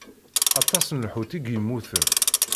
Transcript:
Aṭas n lḥut i yemmuten.